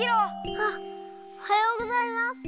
はっおはようございます。